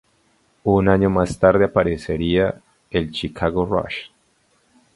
Un año más tarde aparecería el Chicago Rush.